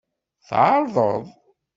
Tɛeṛḍeḍ.